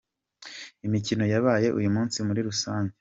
Imikino yabaye uyu munsi muri rusange.